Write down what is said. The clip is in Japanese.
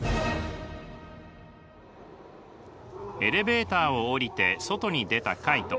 エレベーターをおりて外に出たカイト。